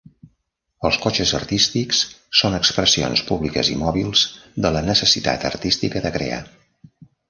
Els cotxes artístics són expressions públiques i mòbils de la necessitat artística de crear.